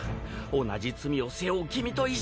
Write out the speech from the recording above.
同じ罪を背負う君と一緒に！